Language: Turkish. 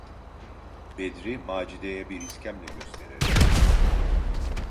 Bedri Macide’ye bir iskemle göstererek: